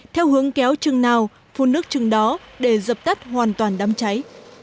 theo hướng kéo chừng nào phun nước chừng đó để dập tắt hoàn toàn đám cháy